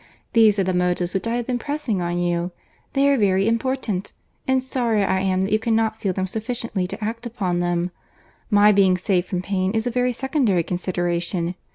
These are the motives which I have been pressing on you. They are very important—and sorry I am that you cannot feel them sufficiently to act upon them. My being saved from pain is a very secondary consideration.